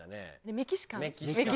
メキシカン。